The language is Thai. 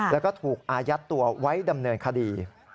แล้วก็ถูกอายัดตัวไว้ดำเนินคดี